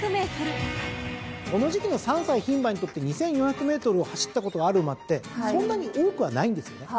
この時期の３歳牝馬にとって２，４００ｍを走ったことがある馬ってそんなに多くはないんですよね。